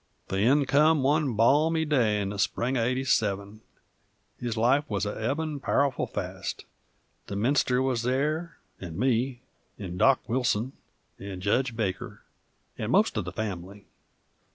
The end come one balmy day in the spring uv '87. His life wuz a ebbin' powerful fast; the minister wuz there, 'nd me, 'nd Dock Wilson, 'nd Jedge Baker, 'nd most uv the fam'ly.